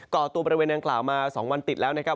่อตัวบริเวณดังกล่าวมา๒วันติดแล้วนะครับ